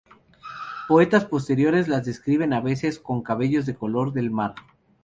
Poetas posteriores las describen a veces con cabellos del color del mar.